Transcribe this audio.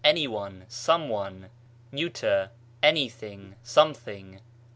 any one, some one, n. anything, something.